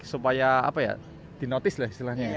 supaya apa ya di notice lah istilahnya